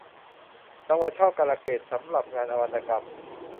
รางวัลช่อการะเกดสำหรับงานวรรณกรรม